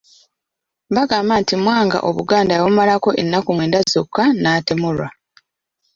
Bagamba nti Mwanga Obuganda yabumalako ennaku mwenda zokka n'atemulwa.